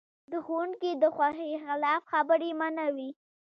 د ښوونکي د خوښې خلاف خبرې منع وې.